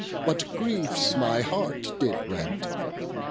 what griefs my heart did rent?